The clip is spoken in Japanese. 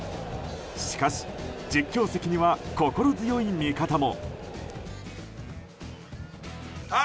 しかし、実況席には心強い味方も。